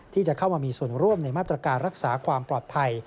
ที่จะเข้ามามีส่วนร่วมในมาตรการรักษาความปลอดภัย